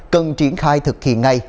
cần triển khai thực hiện ngay